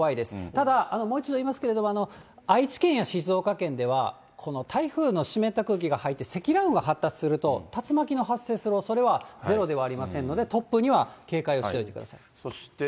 ただ、もう一度言いますけれども、愛知県や静岡県では、台風の湿った空気が入って積乱雲が発達すると、竜巻の発生するおそれはゼロではありませんので、突風には警戒をそして。